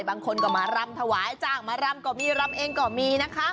บางคนก็มารำถ่วงให้จ้างมารำก็มีรำได้